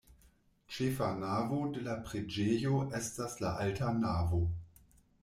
Ĉefa navo de la preĝejo estas la alta navo.